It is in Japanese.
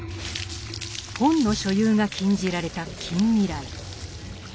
本の所有が禁じられた近未来。